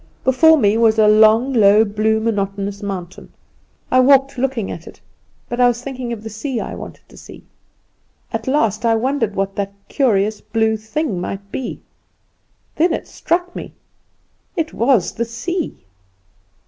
Before me was a long, low, blue, monotonous mountain. I walked looking at it, but I was thinking of the sea I wanted to see. At last I wondered what that curious blue thing might be; then it struck me it was the sea!